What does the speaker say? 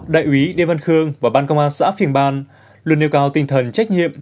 đại úy điên văn khương và ban công an xã phương ban luôn yêu cầu tình thần trách nhiệm